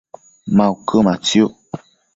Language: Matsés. ma uquëmatsiuc?